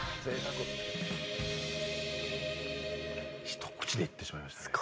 ひと口でいってしまいましたね。